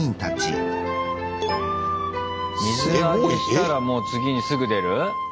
水揚げしたらもう次にすぐ出る？